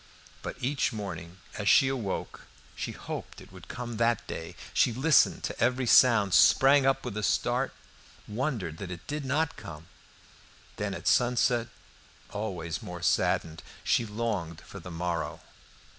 But each morning, as she awoke, she hoped it would come that day; she listened to every sound, sprang up with a start, wondered that it did not come; then at sunset, always more saddened, she longed for the morrow.